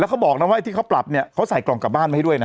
เขาบอกนะว่าไอ้ที่เขาปรับเนี่ยเขาใส่กล่องกลับบ้านมาให้ด้วยนะ